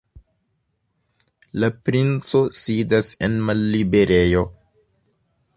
La princo sidas en malliberejo?